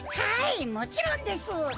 はいもちろんです。